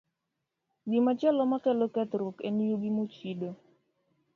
Gimachielo makelo kethruok en yugi mochido.